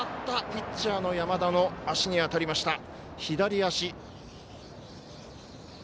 ピッチャーの山田の足に当たりました左足。